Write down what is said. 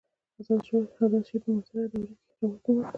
آزاد شعر په معاصره دوره کښي رواج وموند.